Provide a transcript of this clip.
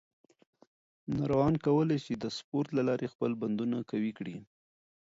ناروغان کولی شي د سپورت له لارې خپل بندونه قوي کړي.